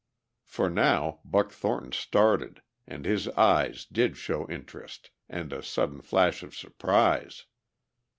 For now Buck Thornton started and his eyes did show interest and a sudden flash of surprise.